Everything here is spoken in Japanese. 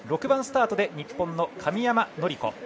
６番スタートで日本の神山則子。